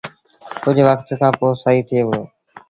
ڪجھ وکت کآݩ پو سهيٚ ٿئي وهُڙو۔